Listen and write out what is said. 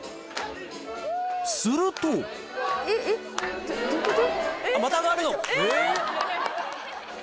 するとえっえっどういうこと？